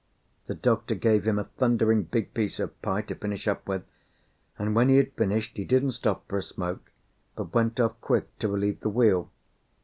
The doctor gave him a thundering big piece of pie to finish up with, and when he had finished he didn't stop for a smoke, but went off quick to relieve the wheel.